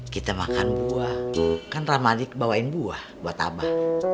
kita makan buah kan rahmadi bawain buah buat abah